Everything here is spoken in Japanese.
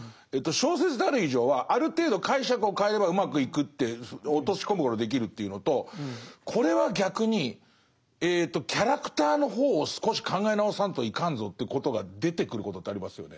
小説である以上はある程度解釈を変えればうまくいくって落とし込むことできるというのとこれは逆にキャラクターの方を少し考え直さんといかんぞということが出てくることってありますよね？